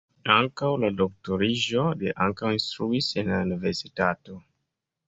Antaŭ la doktoriĝo li ankaŭ instruis en la universitato.